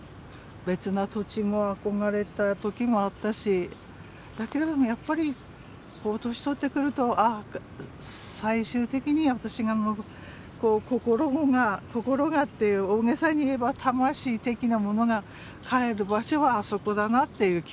別な土地も憧れた時があったしだけれどもやっぱり年取ってくるとああ最終的に私が心がって大げさに言えば魂的なものが帰る場所はあそこだなっていう気がする場所。